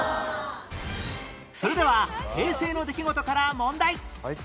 それでは平成の出来事から問題